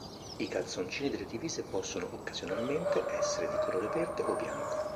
I calzoncini delle divise possono, occasionalmente, essere di colore verde o bianco.